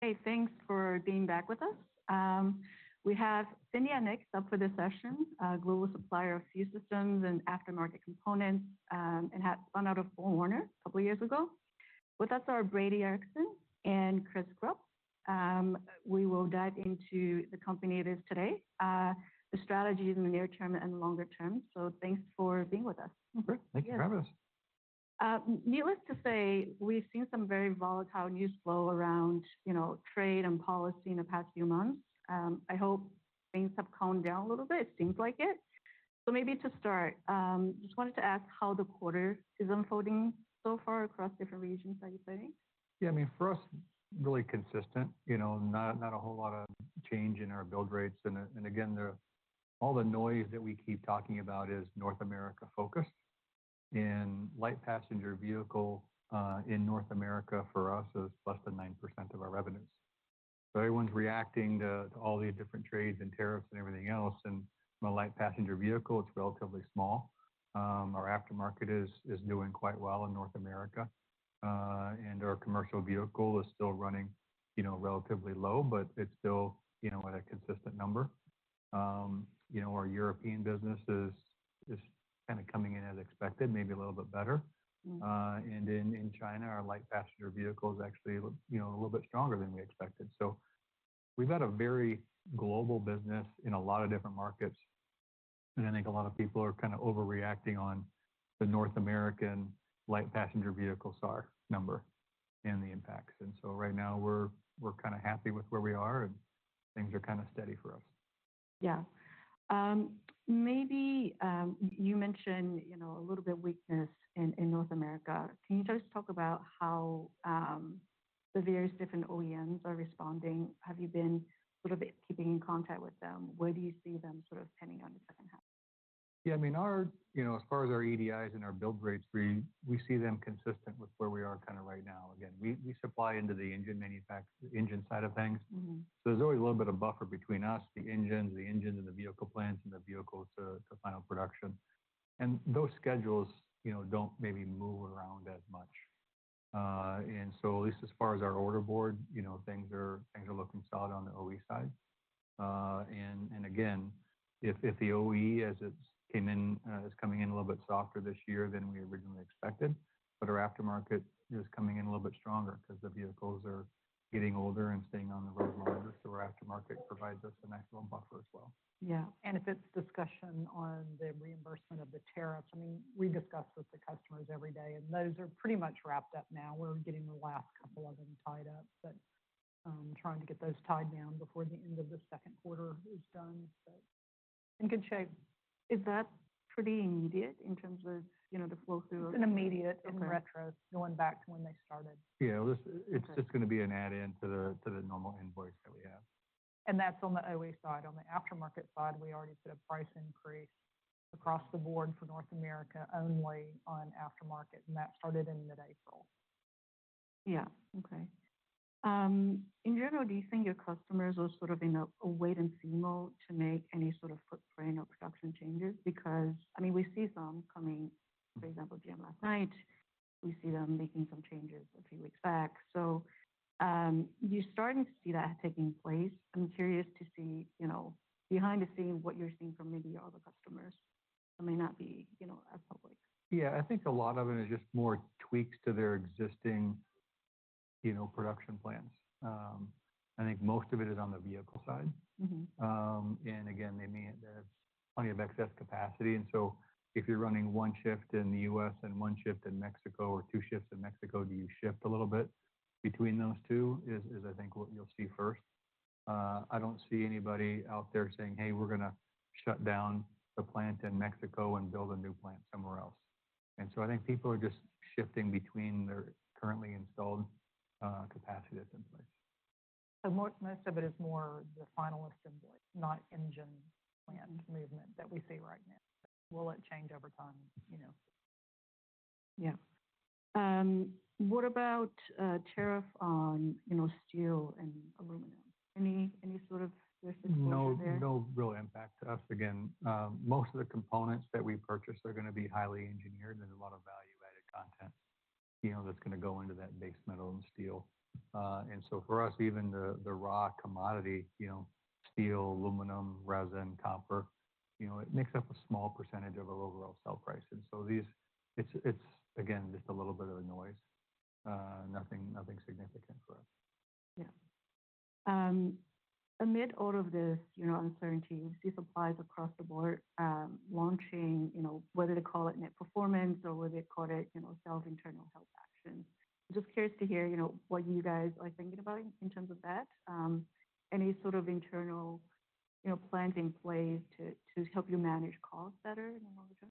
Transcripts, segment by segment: Hey, thanks for being back with us. We have PHINIA next up for the session, a global supplier of fuel systems and aftermarket components, and it spun out of BorgWarner a couple of years ago. With us are Brady Ericson and Chris Gropp. We will dive into the company it is today, the strategies in the near term and longer term. Thanks for being with us. Thanks for having us. Needless to say, we've seen some very volatile news flow around trade and policy in the past few months. I hope things have calmed down a little bit. It seems like it. Maybe to start, I just wanted to ask how the quarter is unfolding so far across different regions, are you planning? Yeah, I mean, for us, really consistent, not a whole lot of change in our build rates. Again, all the noise that we keep talking about is North America focused. Light passenger vehicle in North America for us is less than 9% of our revenues. Everyone's reacting to all the different trades and tariffs and everything else. The light passenger vehicle, it's relatively small. Our aftermarket is doing quite well in North America. Our commercial vehicle is still running relatively low, but it's still at a consistent number. Our European business is kind of coming in as expected, maybe a little bit better. In China, our light passenger vehicle is actually a little bit stronger than we expected. We've had a very global business in a lot of different markets. I think a lot of people are kind of overreacting on the North American light passenger vehicle number and the impacts. Right now, we're kind of happy with where we are, and things are kind of steady for us. Yeah. Maybe you mentioned a little bit of weakness in North America. Can you just talk about how the various different OEMs are responding? Have you been sort of keeping in contact with them? Where do you see them sort of heading on the second half? Yeah, I mean, as far as our EDIs and our build rates, we see them consistent with where we are kind of right now. Again, we supply into the engine side of things. There is always a little bit of buffer between us, the engines, the engines and the vehicle plants, and the vehicles to final production. Those schedules do not maybe move around as much. At least as far as our order board, things are looking solid on the OE side. Again, if the OE is coming in a little bit softer this year than we originally expected, our aftermarket is coming in a little bit stronger because the vehicles are getting older and staying on the road longer. Our aftermarket provides us an actual buffer as well. Yeah. If it's discussion on the reimbursement of the tariffs, I mean, we discuss with the customers every day, and those are pretty much wrapped up now. We're getting the last couple of them tied up, trying to get those tied down before the end of the second quarter is done. In good shape. Is that pretty immediate in terms of the flow through? It's immediate in retros, going back to when they started. Yeah, it's just going to be an add-in to the normal invoice that we have. That's on the OE side. On the aftermarket side, we already set a price increase across the board for North America only on aftermarket, and that started in mid-April. Yeah. Okay. In general, do you think your customers are sort of in a wait-and-see mode to make any sort of footprint or production changes? Because, I mean, we see some coming, for example, GM last night. We see them making some changes a few weeks back. You are starting to see that taking place. I'm curious to see behind the scenes what you are seeing from maybe all the customers that may not be as public. Yeah, I think a lot of it is just more tweaks to their existing production plans. I think most of it is on the vehicle side. There's plenty of excess capacity. If you're running one shift in the U.S. and one shift in Mexico, or two shifts in Mexico, do you shift a little bit between those two is, I think, what you'll see first. I don't see anybody out there saying, "Hey, we're going to shut down the plant in Mexico and build a new plant somewhere else." I think people are just shifting between their currently installed capacity that's in place. Most of it is more the finalist invoice, not engine plant movement that we see right now. Will it change over time? Yeah. What about tariff on steel and aluminum? Any sort of significant impact there? No real impact to us. Again, most of the components that we purchase are going to be highly engineered and a lot of value-added content that's going to go into that base metal and steel. For us, even the raw commodity, steel, aluminum, resin, copper, it makes up a small percentage of our overall sell price. It is, again, just a little bit of a noise, nothing significant for us. Yeah. Amid all of this uncertainty, you see suppliers across the board launching, whether they call it net performance or whether they call it self-internal health actions. I'm just curious to hear what you guys are thinking about in terms of that. Any sort of internal plans in place to help you manage costs better in the longer term?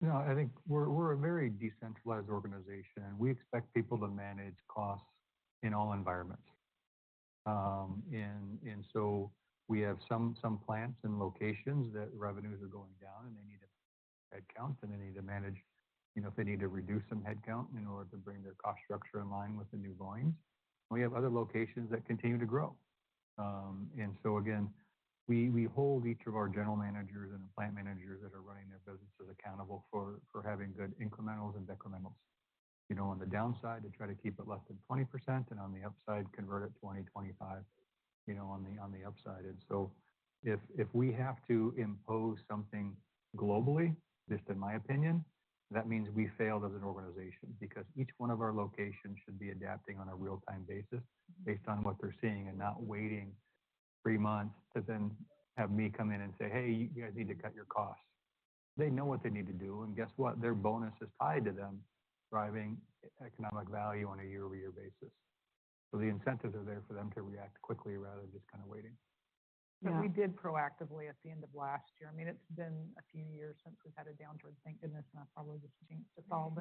No, I think we're a very decentralized organization. We expect people to manage costs in all environments. We have some plants and locations that revenues are going down, and they need headcount, and they need to manage if they need to reduce some headcount in order to bring their cost structure in line with the new volumes. We have other locations that continue to grow. We hold each of our general managers and plant managers that are running their businesses accountable for having good incrementals and decrementals. On the downside, they try to keep it less than 20%, and on the upside, convert it 20%-25% on the upside. If we have to impose something globally, just in my opinion, that means we failed as an organization because each one of our locations should be adapting on a real-time basis based on what they're seeing and not waiting three months to then have me come in and say, "Hey, you guys need to cut your costs." They know what they need to do. And guess what? Their bonus is tied to them driving economic value on a YoY basis. The incentives are there for them to react quickly rather than just kind of waiting. We did proactively at the end of last year. I mean, it's been a few years since we've had a downturn. Thank goodness, and I probably just jinxed us all.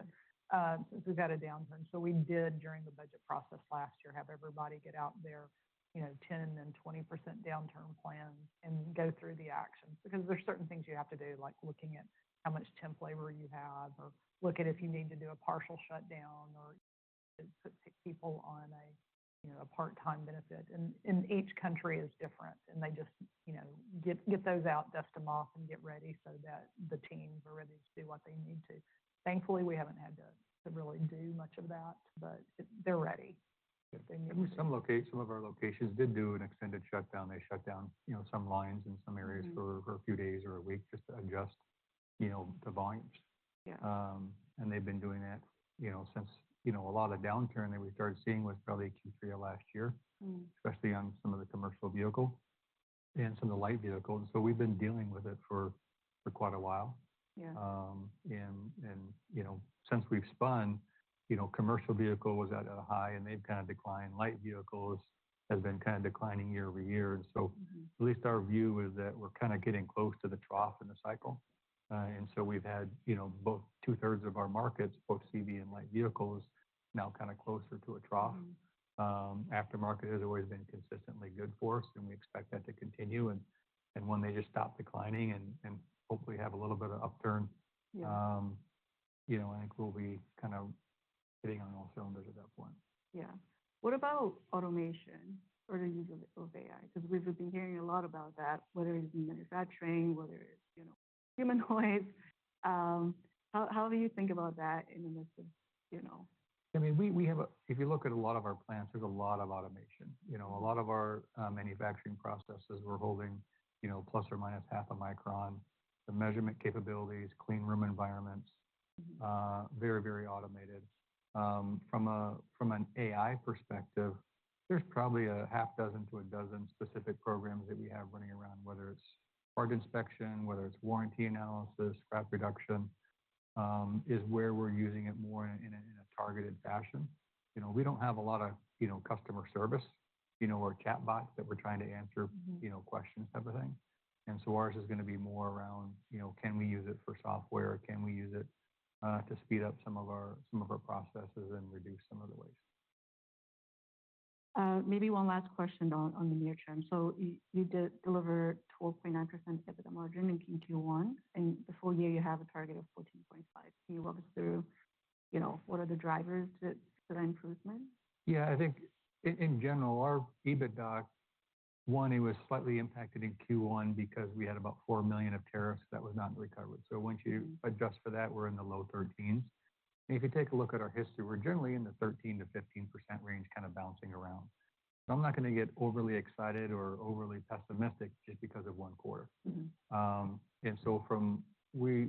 Since we've had a downturn, we did during the budget process last year have everybody get out their 10% and 20% downturn plans and go through the actions. There are certain things you have to do, like looking at how much temp labor you have or looking if you need to do a partial shutdown or put people on a part-time benefit. Each country is different, and they just get those out, dust them off, and get ready so that the teams are ready to do what they need to. Thankfully, we haven't had to really do much of that, but they're ready. Some of our locations did do an extended shutdown. They shut down some lines in some areas for a few days or a week just to adjust the volumes. They've been doing that since a lot of the downturn that we started seeing was probably Q3 of last year, especially on some of the commercial vehicle and some of the light vehicles. We've been dealing with it for quite a while. Since we've spun, commercial vehicle was at a high, and they've kind of declined. Light vehicles have been kind of declining YoY. At least our view is that we're kind of getting close to the trough in the cycle. We've had both two-thirds of our markets, both CV and light vehicles, now kind of closer to a trough. Aftermarket has always been consistently good for us, and we expect that to continue. When they just stop declining and hopefully have a little bit of upturn, I think we'll be kind of hitting on all cylinders at that point. Yeah. What about automation or the use of AI? Because we've been hearing a lot about that, whether it's in manufacturing, whether it's human voice. How do you think about that in the midst of? I mean, if you look at a lot of our plants, there's a lot of automation. A lot of our manufacturing processes, we're holding plus or minus half a micron. The measurement capabilities, clean room environments, very, very automated. From an AI perspective, there's probably a half dozen to a dozen specific programs that we have running around, whether it's part inspection, whether it's warranty analysis, scrap reduction is where we're using it more in a targeted fashion. We don't have a lot of customer service or chatbots that we're trying to answer questions type of thing. Ours is going to be more around, can we use it for software? Can we use it to speed up some of our processes and reduce some of the waste? Maybe one last question on the near term. You did deliver 12.9% EBITDA margin in Q1. For the full year, you have a target of 14.5%. Can you walk us through what are the drivers to that improvement? Yeah, I think in general, our EBITDA, one, it was slightly impacted in Q1 because we had about $4 million of tariffs that were not recovered. Once you adjust for that, we're in the low 13%s. If you take a look at our history, we're generally in the 13%-15% range kind of bouncing around. I'm not going to get overly excited or overly pessimistic just because of one quarter.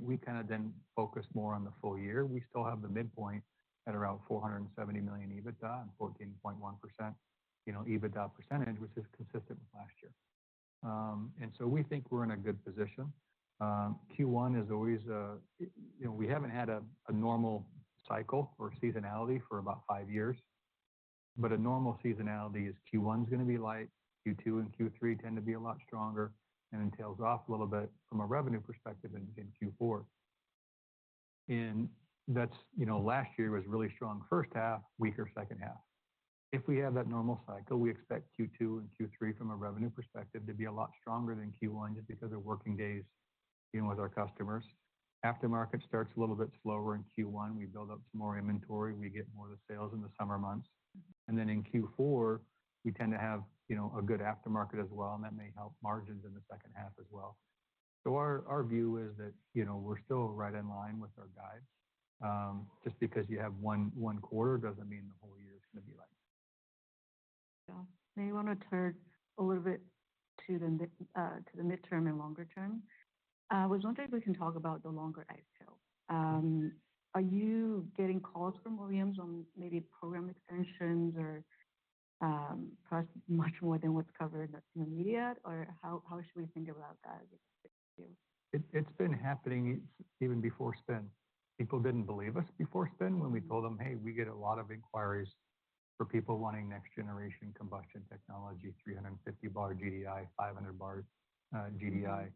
We kind of then focus more on the full year. We still have the midpoint at around $470 million EBITDA and 14.1% EBITDA percentage, which is consistent with last year. We think we're in a good position. Q1 is always a we haven't had a normal cycle or seasonality for about five years. A normal seasonality is Q1 is going to be light. Q2 and Q3 tend to be a lot stronger and then tails off a little bit from a revenue perspective in Q4. Last year was really strong first half, weaker second half. If we have that normal cycle, we expect Q2 and Q3 from a revenue perspective to be a lot stronger than Q1 just because of working days with our customers. Aftermarket starts a little bit slower in Q1. We build up some more inventory. We get more of the sales in the summer months. In Q4, we tend to have a good aftermarket as well, and that may help margins in the second half as well. Our view is that we're still right in line with our guides. Just because you have one quarter doesn't mean the whole year is going to be light. Yeah. Maybe I want to turn a little bit to the midterm and longer term. I was wondering if we can talk about the longer IPO. Are you getting calls from OEMs on maybe program extensions or much more than what's covered in the media? How should we think about that? It's been happening even before spin. People didn't believe us before spin when we told them, "Hey, we get a lot of inquiries for people wanting next-generation combustion technology, 350 bar GDi, 500 bar GDi."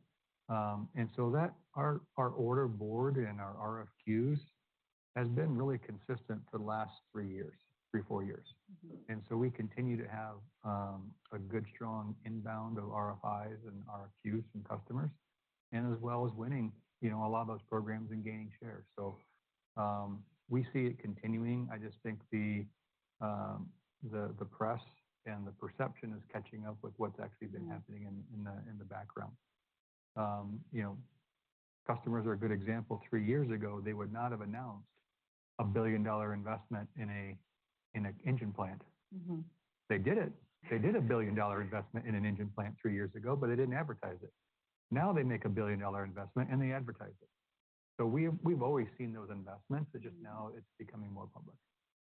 Our order board and our RFQs have been really consistent for the last three years, three, four years. We continue to have a good, strong inbound of RFIs and RFQs from customers as well as winning a lot of those programs and gaining shares. We see it continuing. I just think the press and the perception is catching up with what's actually been happening in the background. Customers are a good example. Three years ago, they would not have announced a billion-dollar investment in an engine plant. They did it. They did a billion-dollar investment in an engine plant three years ago, but they didn't advertise it. Now they make a billion-dollar investment, and they advertise it. We've always seen those investments. It's just now it's becoming more public.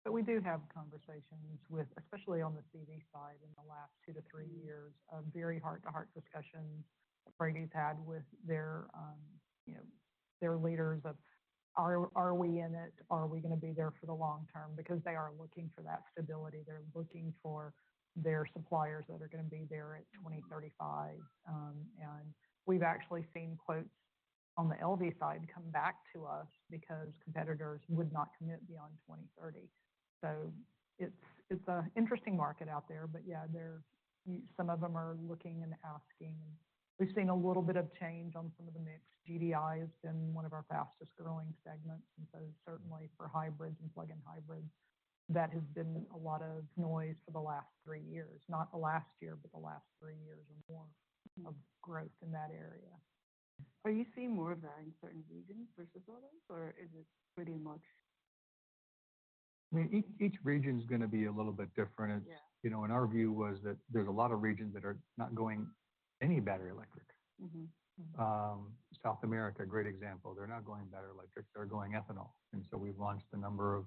We do have conversations with, especially on the CV side in the last two to three years, very heart-to-heart discussions that Brady's had with their leaders of, "Are we in it? Are we going to be there for the long term?" because they are looking for that stability. They're looking for their suppliers that are going to be there at 2035. We've actually seen quotes on the LV side come back to us because competitors would not commit beyond 2030. It is an interesting market out there. Yeah, some of them are looking and asking. We've seen a little bit of change on some of the mix. GDI has been one of our fastest-growing segments. Certainly for hybrids and plug-in hybrids, that has been a lot of noise for the last three years. Not the last year, but the last three years or more of growth in that area. Are you seeing more of that in certain regions versus others? Or is it pretty much? Each region is going to be a little bit different. Our view was that there's a lot of regions that are not going any battery electric. South America, great example. They're not going battery electric. They're going ethanol. We have launched a number of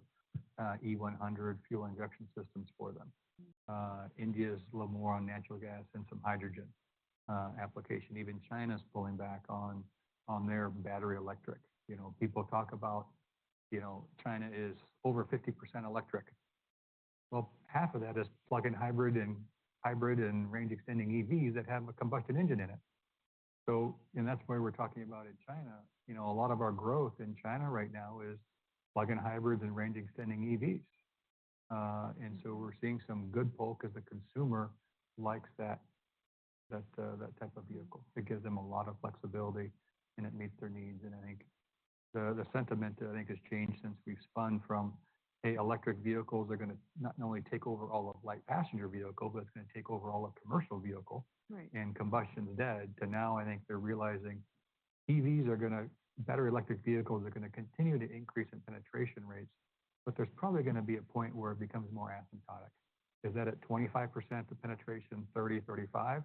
E100 fuel injection systems for them. India's a little more on natural gas and some hydrogen application. Even China's pulling back on their battery electric. People talk about China is over 50% electric. Half of that is plug-in hybrid and range-extending EVs that have a combustion engine in it. That is why we're talking about in China. A lot of our growth in China right now is plug-in hybrids and range-extending EVs. We are seeing some good pull because the consumer likes that type of vehicle. It gives them a lot of flexibility, and it meets their needs. I think the sentiment, I think, has changed since we've spun from, "Hey, electric vehicles are going to not only take over all of light passenger vehicles, but it's going to take over all of commercial vehicles and combustion's dead." To now, I think they're realizing EVs are going to battery electric vehicles are going to continue to increase in penetration rates. But there's probably going to be a point where it becomes more asymptotic. Is that at 25% of penetration, 30%, 35%?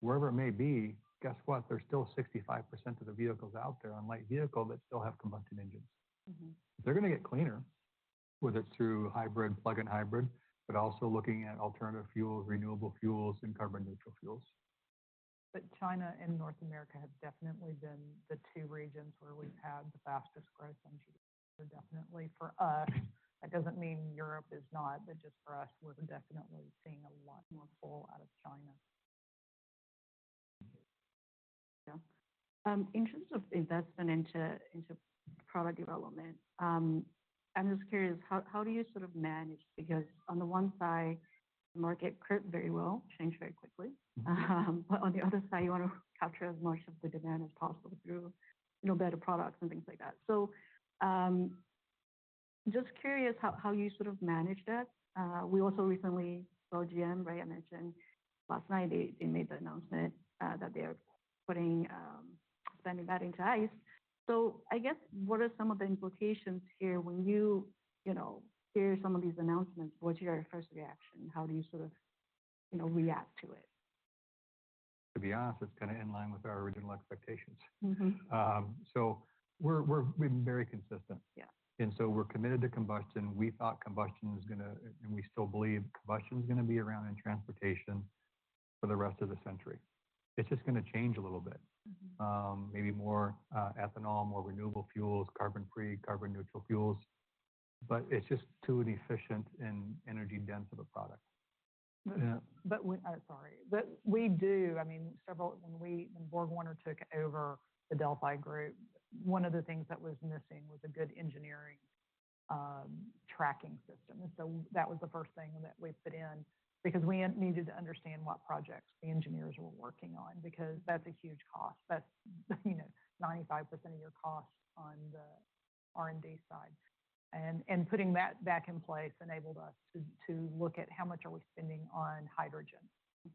Wherever it may be, guess what? There's still 65% of the vehicles out there on light vehicles that still have combustion engines. They're going to get cleaner, whether it's through hybrid, plug-in hybrid, but also looking at alternative fuels, renewable fuels, and carbon-neutral fuels. China and North America have definitely been the two regions where we've had the fastest growth in GDI for sure. For us, that doesn't mean Europe is not, but just for us, we're definitely seeing a lot more pull out of China. Yeah. In terms of investment into product development, I'm just curious, how do you sort of manage? Because on the one side, the market crept very well, changed very quickly. On the other side, you want to capture as much of the demand as possible through better products and things like that. Just curious how you sort of manage that. We also recently saw GM, right? I mentioned last night they made the announcement that they're spending that into ICE. I guess, what are some of the implications here? When you hear some of these announcements, what's your first reaction? How do you sort of react to it? To be honest, it's kind of in line with our original expectations. We've been very consistent. We're committed to combustion. We thought combustion is going to, and we still believe combustion is going to be around in transportation for the rest of the century. It's just going to change a little bit. Maybe more ethanol, more renewable fuels, carbon-free, carbon-neutral fuels. It's just too inefficient and energy-dense of a product. Sorry. But we do, I mean, several when BorgWarner took over the Delphi Group, one of the things that was missing was a good engineering tracking system. That was the first thing that we put in because we needed to understand what projects the engineers were working on because that's a huge cost. That's 95% of your cost on the R&D side. Putting that back in place enabled us to look at how much are we spending on hydrogen. We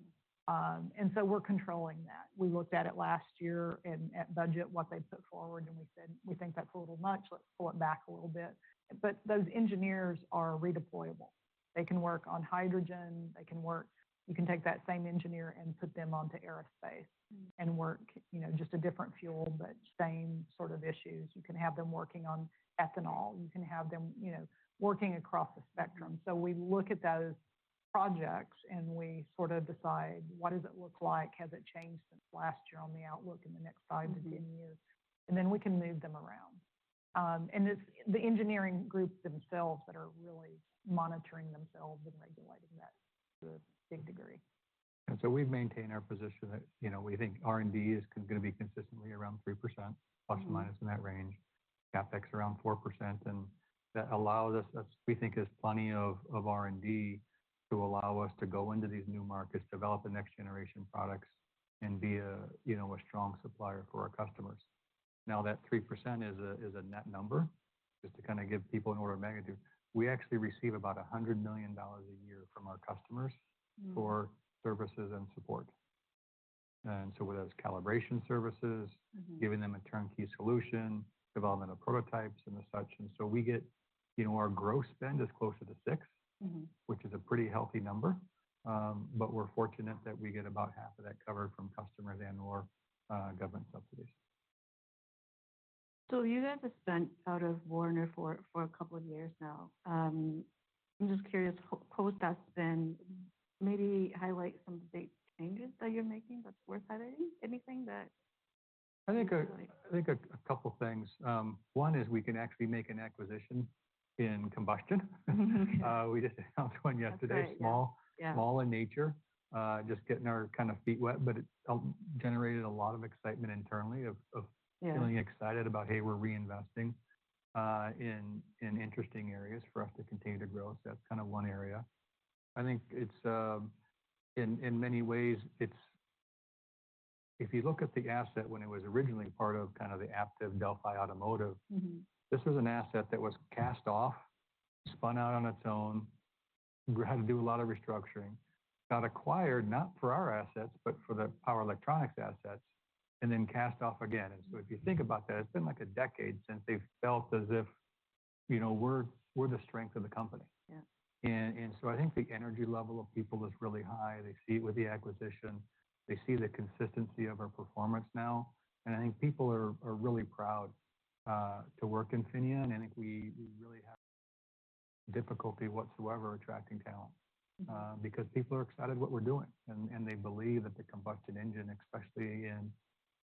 are controlling that. We looked at it last year at budget, what they put forward, and we said, "We think that's a little much. Let's pull it back a little bit." Those engineers are redeployable. They can work on hydrogen. They can work. You can take that same engineer and put them onto aerospace and work just a different fuel, but same sort of issues. You can have them working on ethanol. You can have them working across the spectrum. We look at those projects, and we sort of decide, "What does it look like? Has it changed since last year on the outlook in the next five to 10 years?" We can move them around. It is the engineering groups themselves that are really monitoring themselves and regulating that to a big degree. We have maintained our position that we think R&D is going to be consistently around 3%, plus or minus in that range. CapEx around 4%. That allows us, we think, plenty of R&D to allow us to go into these new markets, develop the next-generation products, and be a strong supplier for our customers. That 3% is a net number. Just to kind of give people an order of magnitude, we actually receive about $100 million a year from our customers for services and support. With those calibration services, giving them a turnkey solution, development of prototypes, and such. Our gross spend is closer to 6%, which is a pretty healthy number. We are fortunate that we get about half of that covered from customers and/or government subsidies. You guys have spent out of BorgWarner for a couple of years now. I'm just curious, post that spin, maybe highlight some big changes that you're making that's worth highlighting? Anything that you're really? I think a couple of things. One is we can actually make an acquisition in combustion. We just announced one yesterday, small in nature, just getting our kind of feet wet. It generated a lot of excitement internally of feeling excited about, "Hey, we're reinvesting in interesting areas for us to continue to grow." That is kind of one area. I think in many ways, if you look at the asset when it was originally part of kind of the Aptiv Delphi Automotive, this was an asset that was cast off, spun out on its own, had to do a lot of restructuring, got acquired, not for our assets, but for the power electronics assets, and then cast off again. If you think about that, it's been like a decade since they felt as if we're the strength of the company. I think the energy level of people is really high. They see it with the acquisition. They see the consistency of our performance now. I think people are really proud to work in PHINIA. I think we really have difficulty whatsoever attracting talent because people are excited about what we're doing. They believe that the combustion engine, especially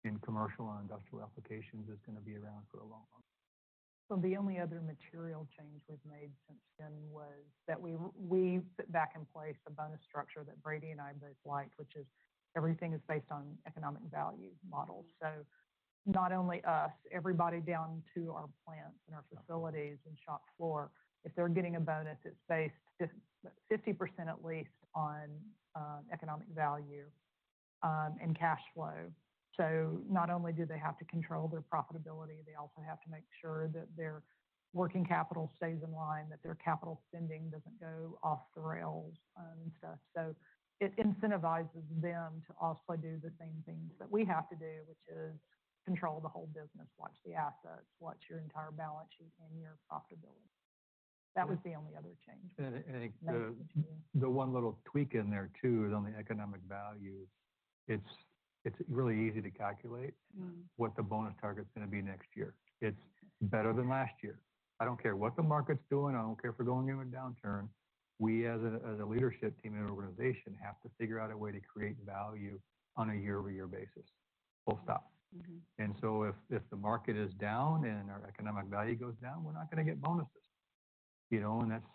in commercial and industrial applications, is going to be around for a long, long time. The only other material change we've made since then was that we put back in place a bonus structure that Brady and I both liked, which is everything is based on economic value models. Not only us, everybody down to our plants and our facilities and shop floor, if they're getting a bonus, it's based 50% at least on economic value and cash flow. Not only do they have to control their profitability, they also have to make sure that their working capital stays in line, that their capital spending doesn't go off the rails and stuff. It incentivizes them to also do the same things that we have to do, which is control the whole business, watch the assets, watch your entire balance sheet, and your profitability. That was the only other change. I think the one little tweak in there too is on the economic values. It's really easy to calculate what the bonus target's going to be next year. It's better than last year. I don't care what the market's doing. I don't care if we're going into a downturn. We, as a leadership team and organization, have to figure out a way to create value on a YoY basis. Full stop. If the market is down and our economic value goes down, we're not going to get bonuses. That's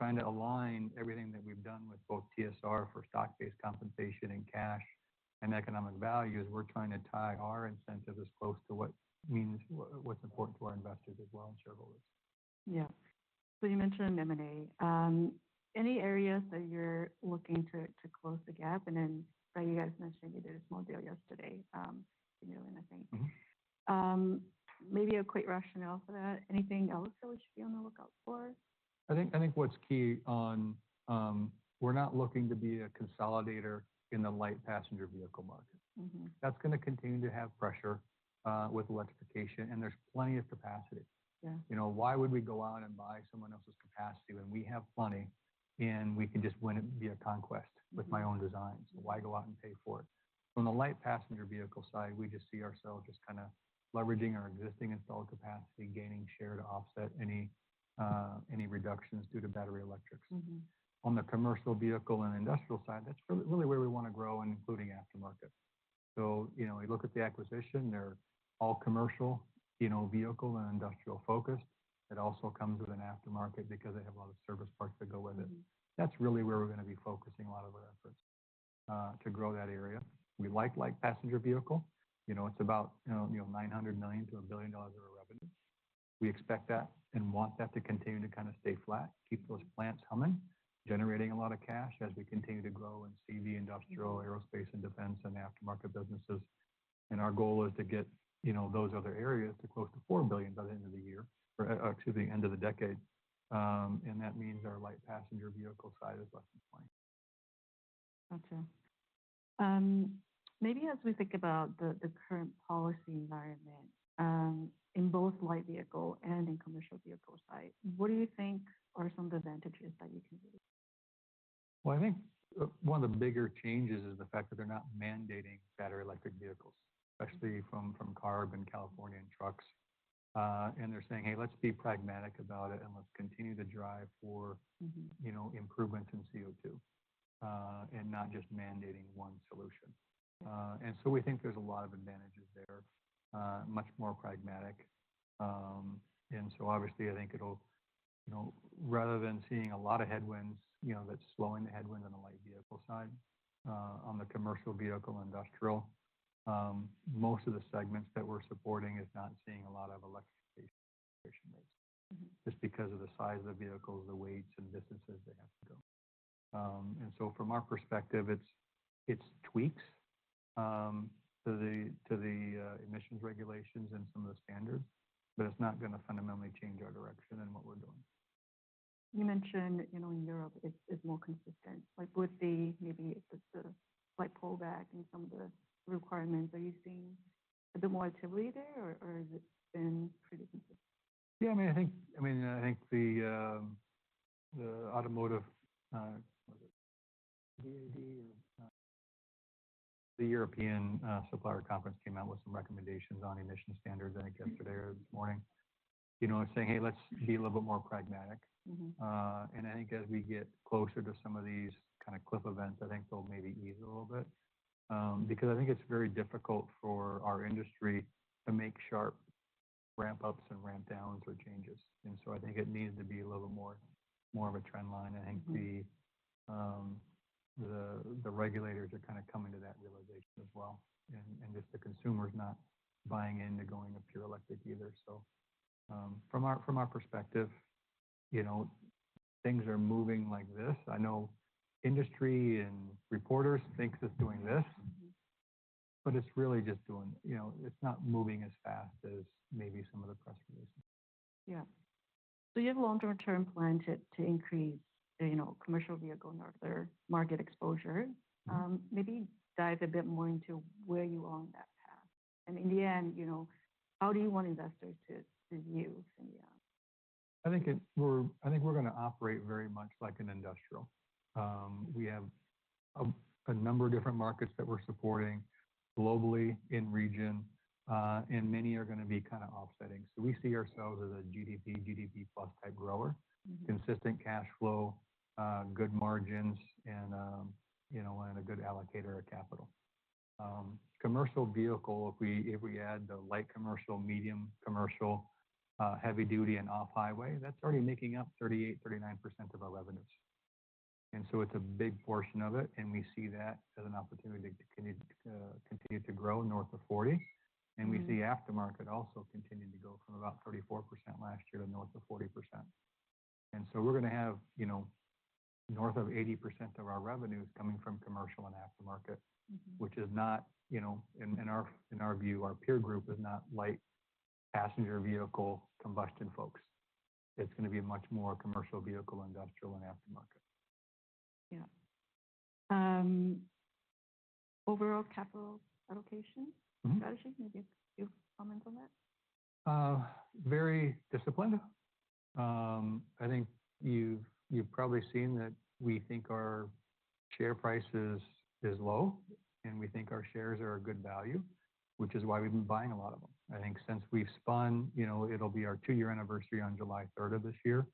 trying to align everything that we've done with both TSR for stock-based compensation and cash and economic values. We're trying to tie our incentives as close to what means what's important to our investors as well in several ways. Yeah. You mentioned M&A. Any areas that you're looking to close the gap? You guys mentioned you did a small deal yesterday in Newland, I think. Maybe a quick rationale for that. Anything else that we should be on the lookout for? I think what's key on, we're not looking to be a consolidator in the light passenger vehicle market. That's going to continue to have pressure with electrification. And there's plenty of capacity. Why would we go out and buy someone else's capacity when we have plenty and we can just win it via conquest with my own designs? Why go out and pay for it? On the light passenger vehicle side, we just see ourselves just kind of leveraging our existing installed capacity, gaining share to offset any reductions due to battery electrics. On the commercial vehicle and industrial side, that's really where we want to grow, including aftermarket. You look at the acquisition, they're all commercial vehicle and industrial focused. It also comes with an aftermarket because they have a lot of service parts that go with it. That's really where we're going to be focusing a lot of our efforts to grow that area. We like light passenger vehicle. It's about $900 million-$1 billion of our revenue. We expect that and want that to continue to kind of stay flat, keep those plants humming, generating a lot of cash as we continue to grow in CV, industrial, aerospace, and defense and aftermarket businesses. Our goal is to get those other areas to close to $4 billion by the end of the year or excuse me, end of the decade. That means our light passenger vehicle side is less than 20%. Gotcha. Maybe as we think about the current policy environment in both light vehicle and in commercial vehicle side, what do you think are some of the advantages that you can see? I think one of the bigger changes is the fact that they're not mandating battery electric vehicles, especially from CARB and California and trucks. They're saying, "Hey, let's be pragmatic about it, and let's continue to drive for improvements in CO2," and not just mandating one solution. We think there's a lot of advantages there, much more pragmatic. Obviously, I think it'll, rather than seeing a lot of headwinds, that's slowing the headwind on the light vehicle side. On the commercial vehicle industrial, most of the segments that we're supporting is not seeing a lot of electrification rates just because of the size of the vehicles, the weights, and distances they have to go. From our perspective, it's tweaks to the emissions regulations and some of the standards, but it's not going to fundamentally change our direction and what we're doing. You mentioned in Europe it's more consistent. Would there maybe be a light pullback in some of the requirements, are you seeing a bit more activity there, or has it been pretty consistent? Yeah. I mean, I think the automotive [dealer,] the European Supplier Conference came out with some recommendations on emission standards, I think, yesterday or this morning, saying, "Hey, let's be a little bit more pragmatic." I think as we get closer to some of these kind of cliff events, I think they'll maybe ease a little bit because I think it's very difficult for our industry to make sharp ramp-ups and ramp-downs or changes. I think it needs to be a little bit more of a trendline. I think the regulators are kind of coming to that realization as well. Just the consumer's not buying into going to pure electric either. From our perspective, things are moving like this. I know industry and reporters think it's doing this, but it's really just doing, it's not moving as fast as maybe some of the press releases. Yeah. So you have a long-term plan to increase commercial vehicle and other market exposure. Maybe dive a bit more into where you are on that path. In the end, how do you want investors to view PHINIA? I think we're going to operate very much like an industrial. We have a number of different markets that we're supporting globally in region, and many are going to be kind of offsetting. We see ourselves as a GDP, GDPplus-type grower, consistent cash flow, good margins, and a good allocator of capital. Commercial vehicle, if we add the light commercial, medium commercial, heavy duty, and off-highway, that's already making up 38%-39% of our revenues. It is a big portion of it. We see that as an opportunity to continue to grow north of 40%. We see aftermarket also continue to go from about 34% last year to north of 40%. We are going to have north of 80% of our revenues coming from commercial and aftermarket, which is not, in our view, our peer group is not light passenger vehicle combustion folks. It's going to be much more commercial vehicle, industrial, and aftermarket. Yeah. Overall capital allocation strategy, maybe a few comments on that? Very disciplined. I think you've probably seen that we think our share price is low, and we think our shares are a good value, which is why we've been buying a lot of them. I think since we've spun, it'll be our two-year anniversary on July 3rd of this year.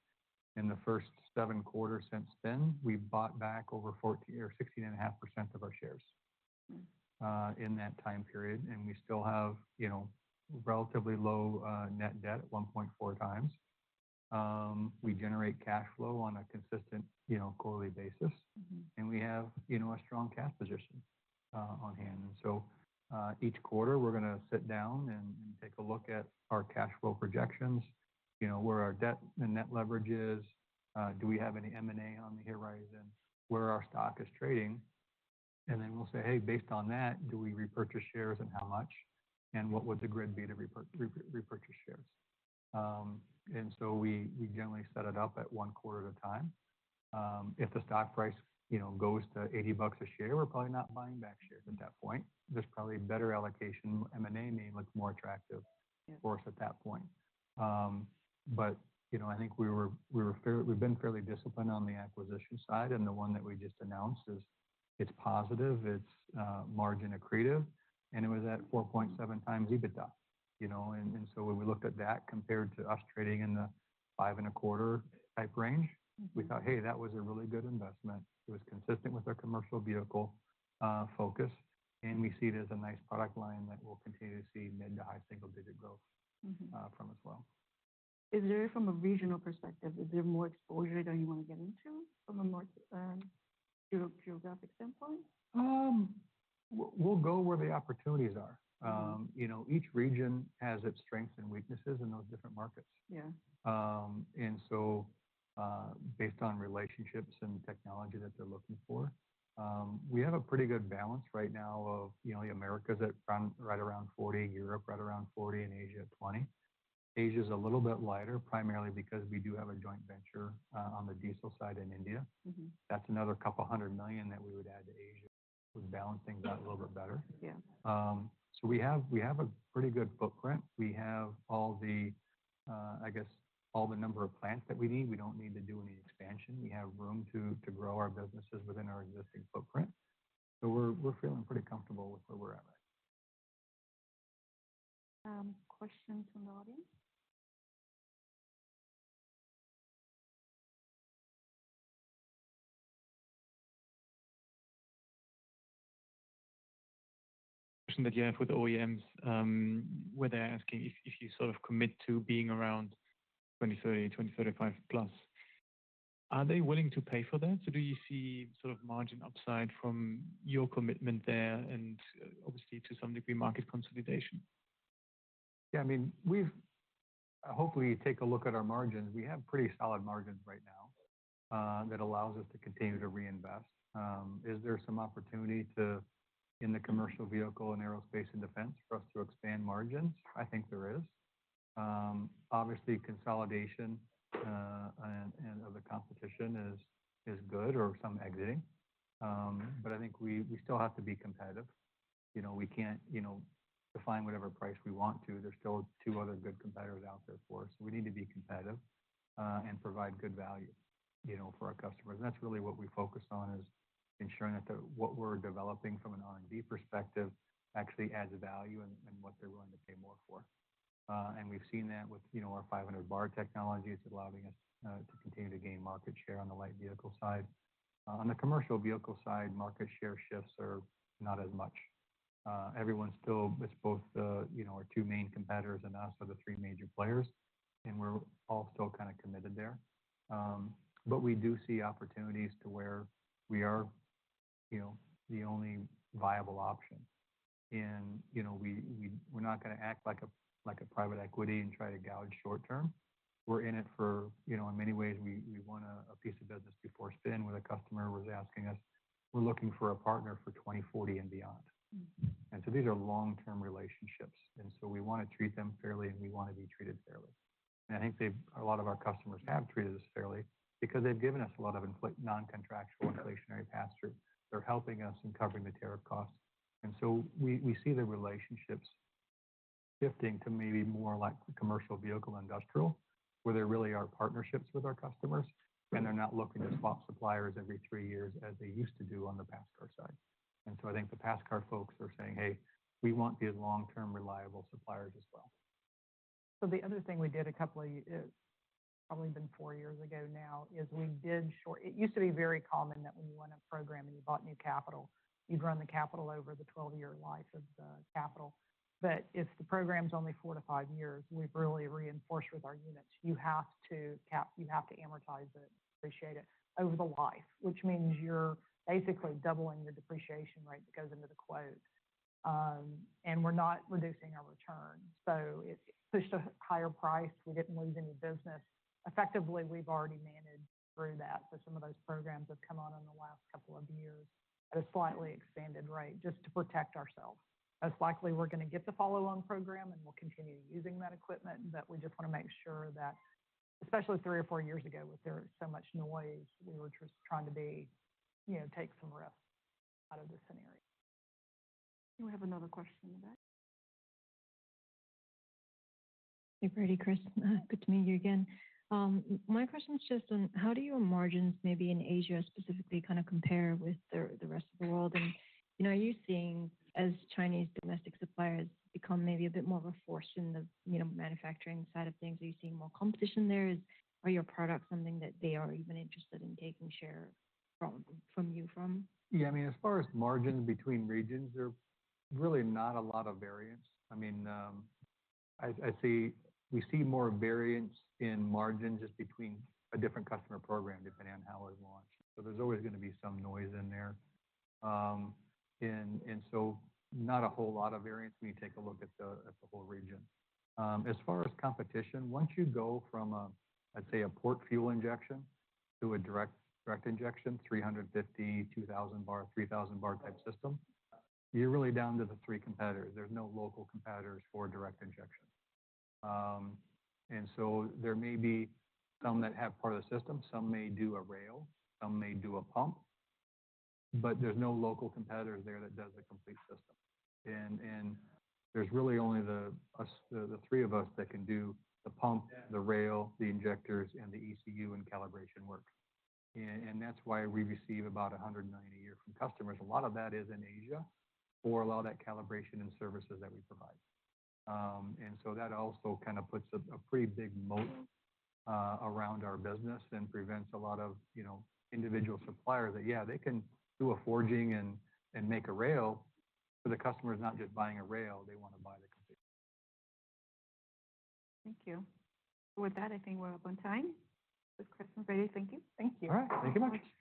In the first seven quarters since then, we bought back over 16.5% of our shares in that time period. We still have relatively low net debt at 1.4 times. We generate cash flow on a consistent quarterly basis. We have a strong cash position on hand. Each quarter, we're going to sit down and take a look at our cash flow projections, where our debt and net leverage is, do we have any M&A on the horizon, where our stock is trading. We will say, "Hey, based on that, do we repurchase shares and how much? And what would the grid be to repurchase shares?" We generally set it up at one quarter at a time. If the stock price goes to $80 a share, we're probably not buying back shares at that point. There's probably better allocation. M&A may look more attractive for us at that point. I think we've been fairly disciplined on the acquisition side. The one that we just announced is positive. It's margin accretive. It was at 4.7 times EBITDA. When we looked at that compared to us trading in the five and a quarter type range, we thought, "Hey, that was a really good investment. It was consistent with our commercial vehicle focus. We see it as a nice product line that we'll continue to see mid to high-single digit growth from as well. Is there, from a regional perspective, is there more exposure that you want to get into from a more geographic standpoint? We'll go where the opportunities are. Each region has its strengths and weaknesses in those different markets. Based on relationships and technology that they're looking for, we have a pretty good balance right now of Americas at right around 40, Europe right around 40, and Asia at 20. Asia is a little bit lighter, primarily because we do have a joint venture on the diesel side in India. That's another couple hundred million that we would add to Asia with balancing that a little bit better. We have a pretty good footprint. We have all the, I guess, all the number of plants that we need. We don't need to do any expansion. We have room to grow our businesses within our existing footprint. We're feeling pretty comfortable with where we're at right now. Question from the audience? Question that you have with OEMs, where they're asking if you sort of commit to being around 2030, 2035+. Are they willing to pay for that? Do you see sort of margin upside from your commitment there and obviously, to some degree, market consolidation? Yeah. I mean, hopefully, you take a look at our margins. We have pretty solid margins right now that allows us to continue to reinvest. Is there some opportunity in the commercial vehicle and aerospace and defense for us to expand margins? I think there is. Obviously, consolidation and other competition is good or some exiting. I think we still have to be competitive. We can't define whatever price we want to. There's still two other good competitors out there for us. We need to be competitive and provide good value for our customers. That's really what we focus on, is ensuring that what we're developing from an R&D perspective actually adds value and what they're willing to pay more for. We've seen that with our 500 bar technology. It's allowing us to continue to gain market share on the light vehicle side. On the commercial vehicle side, market share shifts are not as much. Everyone still, it's both our two main competitors and us are the three major players. We're all still kind of committed there. We do see opportunities to where we are the only viable option. We're not going to act like a private equity and try to gouge short term. We're in it for, in many ways, we want a piece of business before spin where the customer was asking us, "We're looking for a partner for 2040 and beyond." These are long-term relationships. We want to treat them fairly, and we want to be treated fairly. I think a lot of our customers have treated us fairly because they've given us a lot of non-contractual inflationary pass-through. They're helping us in covering the tariff costs. We see the relationships shifting to maybe more like commercial vehicle industrial, where there really are partnerships with our customers, and they're not looking to swap suppliers every three years as they used to do on the pass-car side. I think the pass-car folks are saying, "Hey, we want these long-term reliable suppliers as well. The other thing we did a couple of, it's probably been four years ago now, is we did short. It used to be very common that when you want a program and you bought new capital, you'd run the capital over the 12-year life of the capital. If the program's only four to five years, we've really reinforced with our units, you have to amortize it, depreciate it over the life, which means you're basically doubling your depreciation rate that goes into the quote. We're not reducing our return. It pushed a higher price. We didn't lose any business. Effectively, we've already managed through that. Some of those programs have come on in the last couple of years at a slightly expanded rate just to protect ourselves. Most likely, we're going to get the follow-on program, and we'll continue using that equipment. We just want to make sure that, especially three or four years ago, with so much noise, we were just trying to take some risks out of this scenario. Do we have another question on that? Hey, Brady, Chris. Good to meet you again. My question's just on how do your margins maybe in Asia specifically kind of compare with the rest of the world? Are you seeing, as Chinese domestic suppliers become maybe a bit more of a force in the manufacturing side of things, are you seeing more competition there? Are your products something that they are even interested in taking share from you from? Yeah. I mean, as far as margins between regions, there are really not a lot of variance. I mean, we see more variance in margins just between a different customer program depending on how it launched. There is always going to be some noise in there. Not a whole lot of variance when you take a look at the whole region. As far as competition, once you go from, let's say, a port fuel injection to a direct injection, 350, 2,000 bar, 3,000 bar type system, you are really down to the three competitors. There are no local competitors for direct injection. There may be some that have part of the system. Some may do a rail. Some may do a pump. There are no local competitors there that does the complete system. There are really only the three of us that can do the pump, the rail, the injectors, and the ECU and calibration work. That is why we receive about $190 million a year from customers. A lot of that is in Asia for a lot of that calibration and services that we provide. That also kind of puts a pretty big moat around our business and prevents a lot of individual suppliers that, yeah, they can do a forging and make a rail, but the customer's not just buying a rail. They want to buy the complete system. Thank you. With that, I think we're up on time. Chris and Brady, thank you. Thank you. All right. Thank you very much.